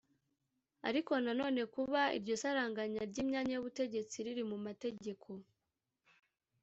Ariko na none kuba iryo saranganya ry’imyanya y’ubutegetsi riri mu mategeko